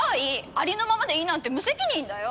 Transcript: ありのままでいいなんて無責任だよ。